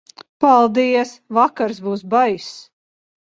Paldies, vakars būs baiss.